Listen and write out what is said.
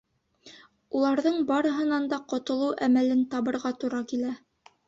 Уларҙың барыһынан да ҡотолоу әмәлен табырға тура килә.